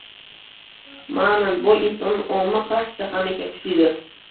• Ma’nan boy inson omma qarshisida hamisha kuchlidir.